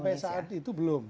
sampai saat itu belum